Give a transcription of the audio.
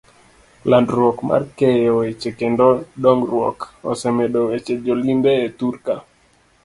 Landruok mar keyo weche kendo dong'ruok, osemedo weche jo limbe e thurka.